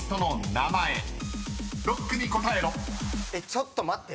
ちょっと待って。